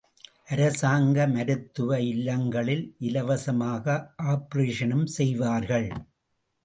அரசாங்க மருத்துவ இல்லங்களில் இலவசமாக ஆப்பரேஷனும் செய்வார்கள்.